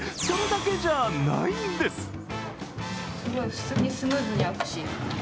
それだけじゃないんです。